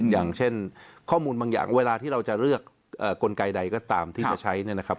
อย่างเช่นข้อมูลบางอย่างเวลาที่เราจะเลือกกลไกใดก็ตามที่จะใช้เนี่ยนะครับ